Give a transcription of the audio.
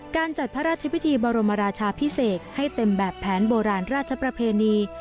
การจัดพระราชพิธีบรมราชาพิเศษให้เต็มแบบแผนโบราณราชประเพณี